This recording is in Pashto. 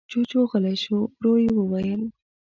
جُوجُو غلی شو. ورو يې وويل: